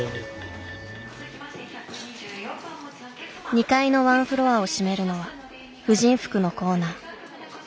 ２階のワンフロアを占めるのは婦人服のコーナー。